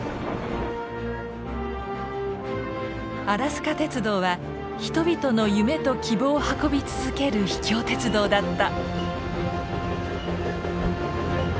アラスカ鉄道は人々の夢と希望を運び続ける秘境鉄道だった。